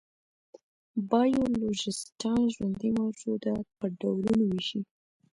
بایولوژېسټان ژوندي موجودات په ډولونو وېشي.